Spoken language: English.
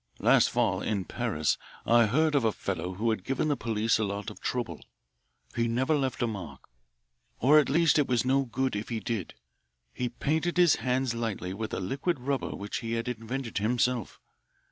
Last fall in Paris I heard of a fellow who had given the police a lot of trouble. He never left a mark, or at least it was no good if he did. He painted his hands lightly with a liquid rubber which he had invented himself.